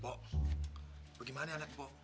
pok bagaimana anaknya pok